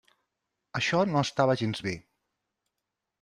Això no estava gens bé.